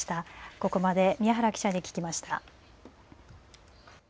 ここまで宮原記者に聞きました。